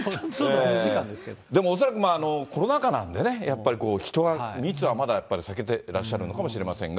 でも恐らくコロナ禍なんでね、やっぱり人は、密はまだやっぱり避けてらっしゃるのかもしれませんが。